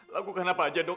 lakukan apa aja dok